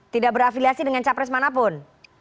tidak berafiliasi dengan capres manapun